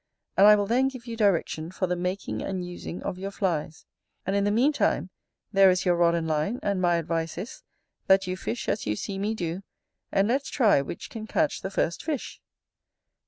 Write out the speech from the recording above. And I will then give you direction for the making and using of your flies: and in the meantime, there is your rod and line; and my advice is, that you fish as you see me do, and let's try which can catch the first fish.